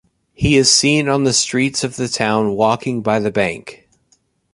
He is seen on the streets of the town walking by the bank.